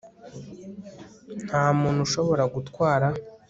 Nta muntu ushobora gutwara